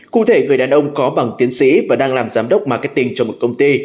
cụ thể người đàn ông có bằng tiến sĩ và đang làm giám đốc marketing cho một công ty